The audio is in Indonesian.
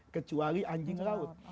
kecuali anjing laut